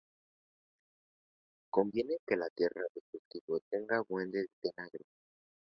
Conviene que la tierra de cultivo tenga buen drenaje.